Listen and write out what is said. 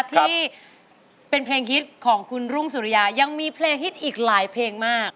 ที่เป็นเพลงฮิตของคุณรุ่งสุริยายังมีเพลงฮิตอีกหลายเพลงมาก